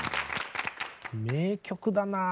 名曲だな。